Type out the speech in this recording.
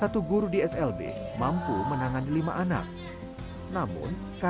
terus berubah menjadi seorang guru